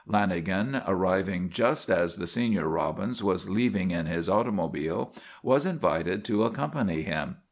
Lanagan, arriving just as the senior Robbins was leaving in his automobile, was invited to accompany him.